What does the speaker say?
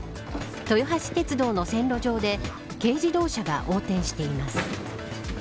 豊橋鉄道の線路上で軽自動車が横転しています。